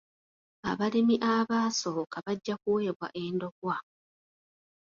Abalimi abaasooka bajja kuweebwa endokwa.